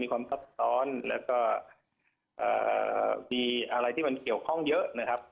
ความซับซ้อนแล้วก็มีอะไรที่มันเกี่ยวข้องเยอะนะครับ